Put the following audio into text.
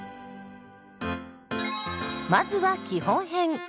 まずは基本編。